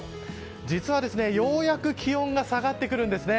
実はようやく気温が下がってくるんです。